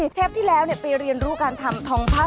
เทปที่แล้วเนี่ยไปเรียนรู้การทำทองภาพ